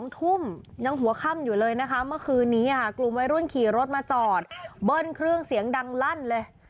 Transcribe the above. ทุ่มยังหัวค่ำอยู่เลยนะคะเมื่อคืนนี้ค่ะกลุ่มวัยรุ่นขี่รถมาจอดเบิ้ลเครื่องเสียงดังลั่นเลย